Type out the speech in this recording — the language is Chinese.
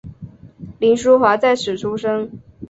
凌叔华在此出生。